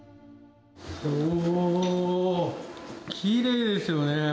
おー、きれいですよね！